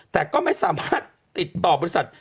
แต่ก็ไม่สามารถติดต่อบริษัท